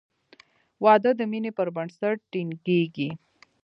• واده د مینې پر بنسټ ټینګېږي.